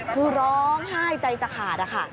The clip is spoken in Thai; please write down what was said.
คือร้องไห้ใจจะขาดนะคะ